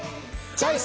チョイス！